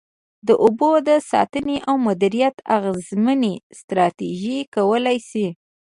د اوبو د ساتنې او مدیریت اغیزمنې ستراتیژۍ کولای شي.